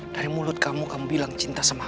dari mulut kamu kamu bilang cinta sama aku